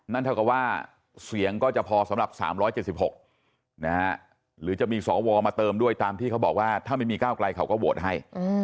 เท่ากับว่าเสียงก็จะพอสำหรับ๓๗๖หรือจะมีสวมาเติมด้วยตามที่เขาบอกว่าถ้าไม่มีก้าวไกลเขาก็โหวตให้